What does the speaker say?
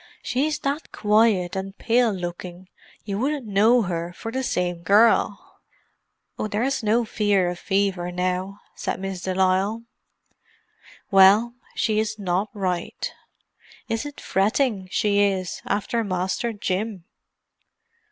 "She's that quiet and pale looking you wouldn't know her for the same gerrl." "Oh, there's no fear of fever now," said Miss de Lisle. "Well, she is not right. Is it fretting she is, after Masther Jim?